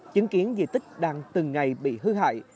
chứng kiến di tích đang từng ngày bị hư hại